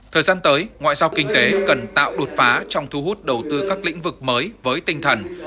thời gian tới ngoại giao kinh tế cần tạo đột phá trong thu hút đầu tư các lĩnh vực mới với tinh thần